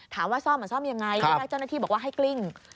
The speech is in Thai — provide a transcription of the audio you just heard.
ถามว่าซ่อมมันซ่อมอย่างไรแล้วเจ้าหน้าที่บอกว่าให้กลิ้ง